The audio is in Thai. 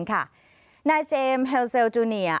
แนายเจมส์ฮัลโซเซอร์จูเนีย